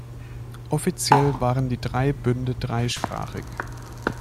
Offiziell waren die Drei Bünde dreisprachig.